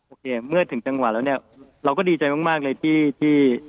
โอเคเมื่อถึงจังหวะแล้วเนี่ยเราก็ดีใจมากเลยที่